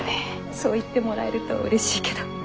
そう言ってもらえるとうれしいけど。